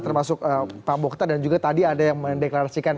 termasuk pak bokhtar dan juga tadi ada yang mendeklarasikan